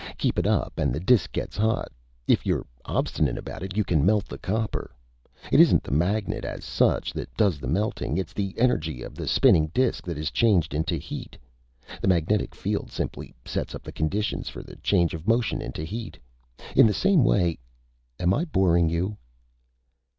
Keep it up, and the disk gets hot. If you're obstinate about it, you can melt the copper. It isn't the magnet, as such, that does the melting. It's the energy of the spinning disk that is changed into heat. The magnetic field simply sets up the conditions for the change of motion into heat. In the same way ... am I boring you?"